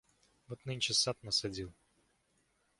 Вот нынче сад насадил.